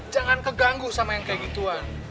jangan keganggu sama yang kayak gituan